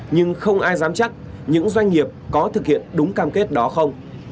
nhưng không ai dám chắc những doanh nghiệp có thực hiện đúng cam kết đó không